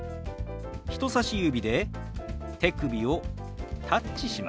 人さし指で手首をタッチします。